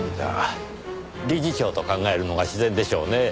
理事長と考えるのが自然でしょうねぇ。